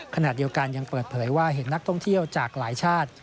ขณะเดียวกันยังเปิดเผยว่าเห็นนักท่องเที่ยวจากหลายชาติ